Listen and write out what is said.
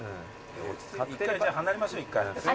一回じゃあ離れましょう。